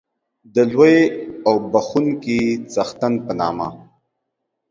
د لوی او بخښونکی څښتن په نامه